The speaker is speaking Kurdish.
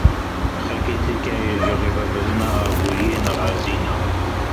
Xelkê Tirkiyeyê ji rêvebirina aboriyê nerazî ne.